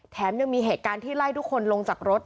แถมยังมีเหตุการณ์ที่ไล่ทุกคนลงจากรถ